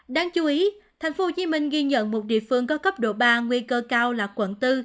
đáng chú ý tp hcm ghi nhận một địa phương có cấp độ ba nguy cơ cao là quận bốn